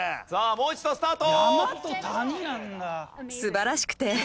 もう一度スタート！